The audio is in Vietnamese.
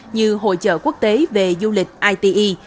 như hội trợ quốc tế về du lịch ite